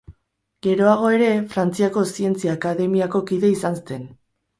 Geroago ere, Frantziako Zientzia Akademiako kide izan zen.